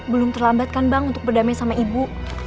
belum terlambat kan bang untuk berdamai sama ibu